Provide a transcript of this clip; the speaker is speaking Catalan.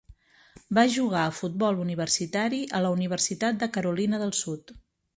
Va jugar a futbol universitari a la Universitat de Carolina del Sud.